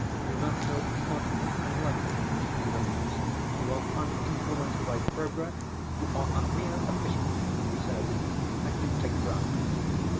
'You have no modern enlightened feelings, you are uninfluenced by progress, you are a mere official,' he said, 'and you take bribes.